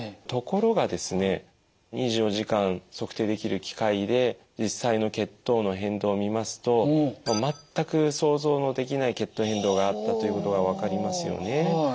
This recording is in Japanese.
ところがですね２４時間測定できる機械で実際の血糖の変動を見ますと全く想像のできない血糖変動があったということが分かりますよね。